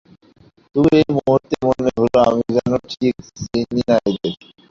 তবু এই মুহূর্তে মনে হল, আমি যেন ঠিক চিনি না এদের।